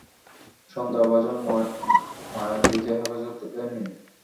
সন্দেহভাজন মায়ানদিকে হেফাজতে নিন।